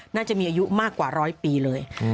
น่าจะมีอายุมากกว่าร้อยปีเลย